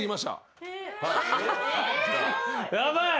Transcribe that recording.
ヤバい！